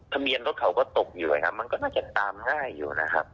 ทะเบียนรถเขาก็ตกอยู่นะครับมันก็น่าจะตามง่ายอยู่นะครับ